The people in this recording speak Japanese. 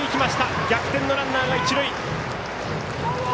逆転のランナーが一塁。